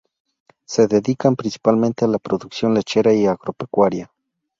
Se dedican principalmente a la producción lechera y agropecuaria.